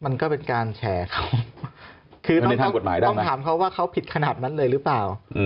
มันก็เป็นการแชร์เขาคือต้องถามเขาว่าเขาผิดขนาดนั้นเลยหรือเปล่า